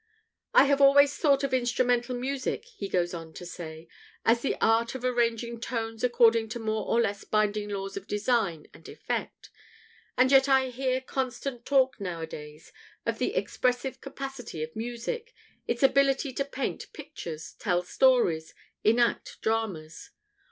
"I have always thought of instrumental music," he goes on to say, "as the art of arranging tones according to more or less binding laws of design and effect; and yet I hear constant talk nowadays of the 'expressive capacity' of music, its ability to paint pictures, tell stories, enact dramas.